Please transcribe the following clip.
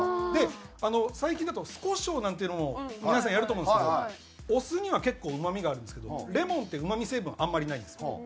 で最近だと酢コショウなんていうのも皆さんやると思うんですけどお酢には結構うまみがあるんですけどレモンってうまみ成分あんまりないんですよ。